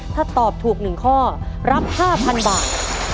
ถ้าตอบถูก๑ข้อรับ๕๐๐๐บาท